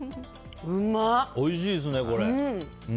おいしいですね、これ。